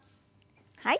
はい。